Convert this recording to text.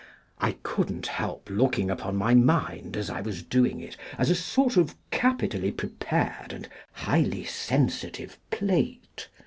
I couldn't help looking upon my mind as I was doing it, as a soil; of capitally prepared and highly sensitive plate.